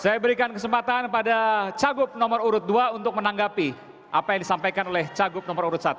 saya berikan kesempatan pada cagup nomor urut dua untuk menanggapi apa yang disampaikan oleh cagup nomor urut satu